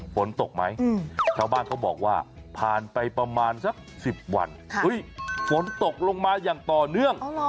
ฝนตกไหมชาวบ้านเขาบอกว่าผ่านไปประมาณสัก๑๐วันฝนตกลงมาอย่างต่อเนื่อง